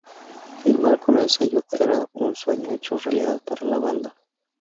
Firmar con el sello era "un sueño hecho realidad" para la banda.